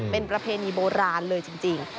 เป็นประเพณีโบราณเลยจริง